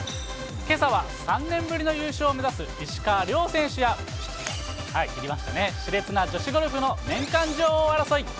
けさは３年ぶりの優勝を目指す石川遼選手や、出ましたね、しれつな女子ゴルフの年間女王争い。